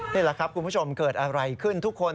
นี่แหละครับคุณผู้ชมเกิดอะไรขึ้นทุกคน